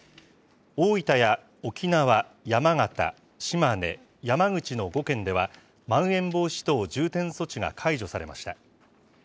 大分や沖縄、山形、島根、山口の５県では、まん延防止等重点措置が解除されました。